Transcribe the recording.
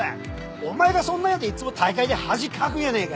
お前がそんなんやていつも大会で恥かくんやねえか！